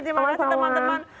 terima kasih teman teman